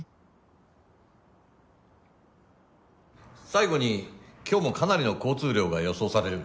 最後に今日もかなりの交通量が予想される。